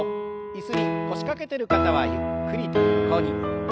椅子に腰掛けてる方はゆっくりと横に。